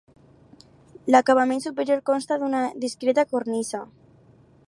L'acabament superior consta d'una discreta cornisa.